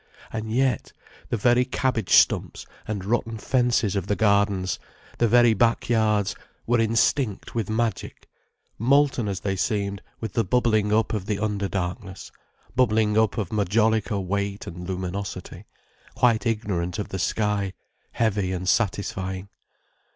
And yet, the very cabbage stumps and rotten fences of the gardens, the very back yards were instinct with magic, molten as they seemed with the bubbling up of the under darkness, bubbling up of majolica weight and luminosity, quite ignorant of the sky, heavy and satisfying.